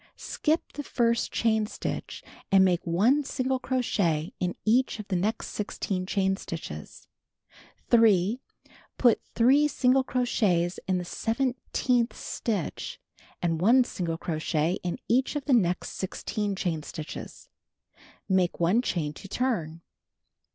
Skip the first chain stitch, and make 1 single crochet in each of the next 16 chain stitches. 3. Put 3 single crochets in the seventeenth stitch, and 1 single crochet in each of the next 16 chain stitches. Make 1 chain to turn.